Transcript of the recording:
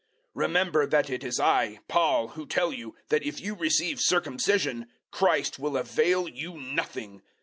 005:002 Remember that it is I Paul who tell you that if you receive circumcision Christ will avail you nothing.